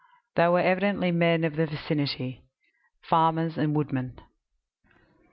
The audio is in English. They were evidently men of the vicinity farmers and woodmen.